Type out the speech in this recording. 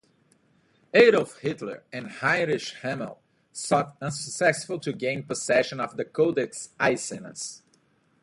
Adolf Hitler and Heinrich Himmler sought unsuccessfully to gain possession of the Codex Aesinas.